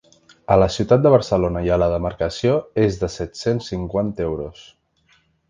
A la ciutat de Barcelona i a la demarcació és de set-cents cinquanta euros.